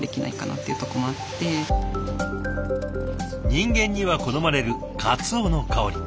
人間には好まれるかつおの香り。